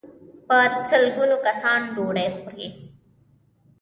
په سل ګونو کسان ډوډۍ خوري.